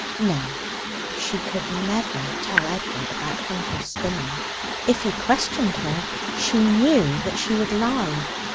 'No, she could never tell Edward about Hunter's Spinney. If he questioned her, she knew that she would lie.